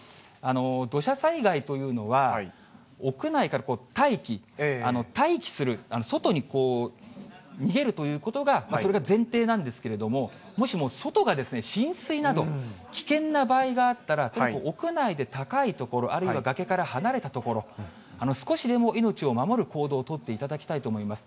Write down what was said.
土砂災害というのは、屋内から待機、退避する、外に逃げるということが、それが前提なんですけれども、もしも外が浸水など、危険な場合があったら、結構、屋内で高い所、あるいは崖から離れた所、少しでも命を守る行動を取っていただきたいと思います。